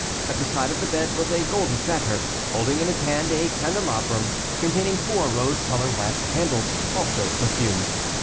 At the side of the bed was a golden satyr, holding in his hand a candelabrum, containing four rose color wax candles, also perfumed.